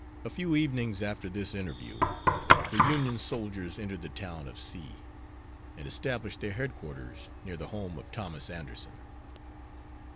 A few evenings after this interview, the Union soldiers entered the town of C , and established their headquarters near the home of Thomas Anderson.